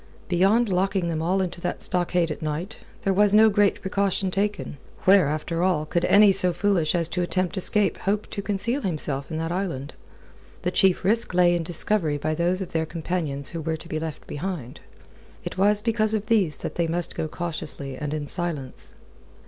Beyond locking them all into that stockade at night, there was no great precaution taken. Where, after all, could any so foolish as to attempt escape hope to conceal himself in that island? The chief risk lay in discovery by those of their companions who were to be left behind. It was because of these that they must go cautiously and in silence.